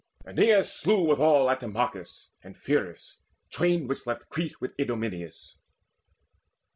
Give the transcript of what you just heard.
Aeneas slew withal Antimachus and Pheres, twain which left Crete with Idomeneus.